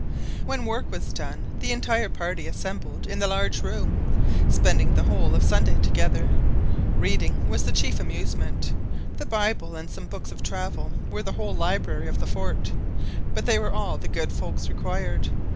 When work was done the entire party assembled in the large room, spending the whole of Sunday together. Reading was the chief amusement. The Bible and some books of travels were the whole library of the fort; but they were all the good folks required.